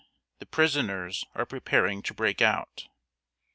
The prisoners are preparing to break out."